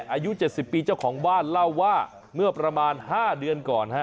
อายุเจ็ดสิบปีเจ้าของว่านเล่าว่าเมื่อประมาณห้าเดือนก่อนฮะ